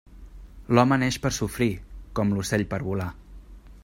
L'home neix per sofrir, com l'ocell per volar.